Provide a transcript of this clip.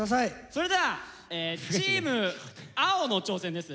それではチーム青の挑戦です。